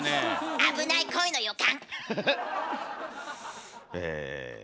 危ない恋の予感。